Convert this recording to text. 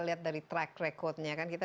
lihat dari track recordnya kan kita